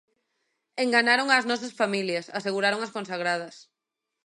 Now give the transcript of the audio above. "Enganaron ás nosas familias", aseguraron as consagradas.